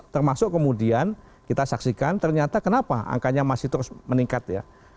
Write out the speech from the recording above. termasuk kemudian kita saksikan ternyata kenapa angkanya masih terus meningkat ya